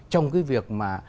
trong cái việc mà